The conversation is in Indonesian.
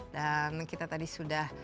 dan kita tadi sudah